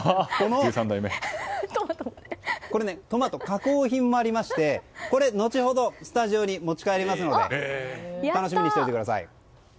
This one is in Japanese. これ、トマト加工品もありまして後ほどスタジオに持ち帰りますので楽しみにしておいてください。